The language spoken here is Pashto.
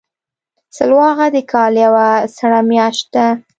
سلواغه د کال یوه سړه میاشت ده.